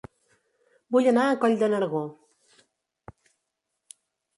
Vull anar a Coll de Nargó